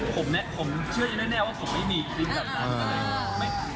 คือผมเชื่อยังแน่ว่าผมไม่มีคลิปแบบนั้น